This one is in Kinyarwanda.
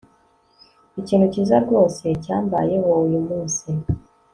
Ikintu cyiza rwose cyambayeho uyu munsi